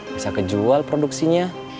bisa kejual produksinya